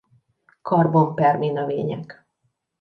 Karbon-permi növények.